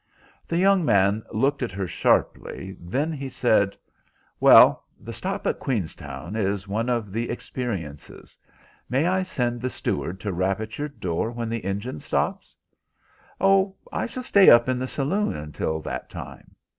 The young man looked at her sharply, then he said— "Well, the stop at Queenstown is one of the experiences. May I send the steward to rap at your door when the engine stops?" "Oh, I shall stay up in the saloon until that time?"